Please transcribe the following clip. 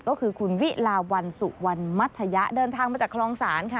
ก็คือคุณวิลาวันสุวรรณมัธยะเดินทางมาจากคลองศาลค่ะ